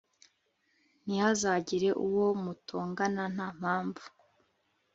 ntihazagire uwo mutongana nta mpamvu